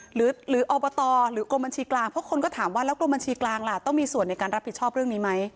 หรืออบตหรือกรมบัญชีกลางเพราะคนก็ถามว่าแล้วกรมบัญชีกลางล่ะต้องมีส่วนในการรับผิดชอบเรื่องนี้ไหม